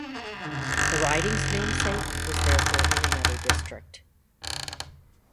The riding's namesake was therefore in another district.